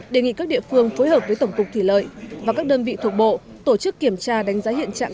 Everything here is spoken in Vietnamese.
đề nghị các địa phương phối hợp với tổng cục thủy lợi và các đơn vị thuộc bộ tổ chức kiểm tra đánh giá hiện trạng